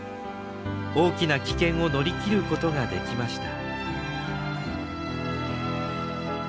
大きな危険を乗り切ることができました。